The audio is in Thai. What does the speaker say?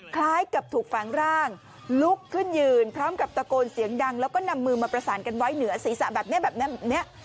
คล้ายกับถูกฝังร่างลุกขึ้นยืนพร้อมกับตะโกนเสียงดังแล้วก็นำมือมาประสานกันไว้เหนือศีรษะแบบนี้แบบนี้